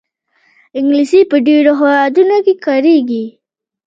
انګلیسي په ډېرو هېوادونو کې کارېږي